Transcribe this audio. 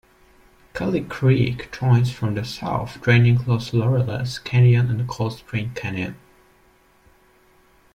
Kelly Creek joins from the south, draining Los Laureles Canyon and Cold Spring Canyon.